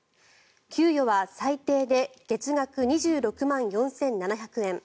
給与は最低で月額２６万４７００円